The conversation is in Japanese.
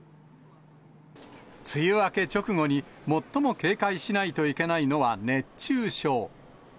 梅雨明け直後に最も警戒しないといけないのは熱中症。